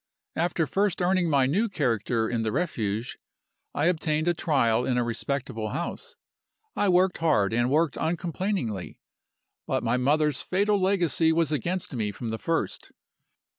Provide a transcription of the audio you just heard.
After first earning my new character in the Refuge, I obtained a trial in a respectable house. I worked hard, and worked uncomplainingly; but my mother's fatal legacy was against me from the first.